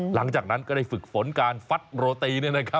หลังจากนั้นก็ได้ฝึกฝนการฟัดโรตี